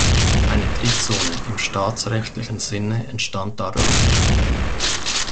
Eine "Trizone" im staatsrechtlichen Sinne entstand dadurch nicht.